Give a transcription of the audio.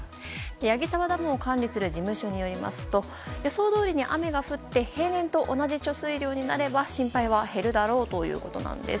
矢木沢ダムを管理する事務所によりますと予想どおりに雨が降って平年と同じ貯水量になれば心配は減るだろうということなんです。